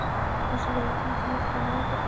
رسوب د افغانستان د صنعت لپاره مواد برابروي.